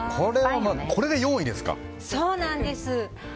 そうなんです。